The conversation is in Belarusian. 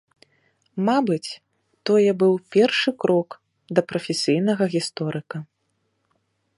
Мабыць, тое быў першы крок да прафесійнага гісторыка.